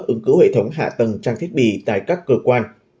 ứng cứu hệ thống hạ tầng trang thiết bị tại các cơ quan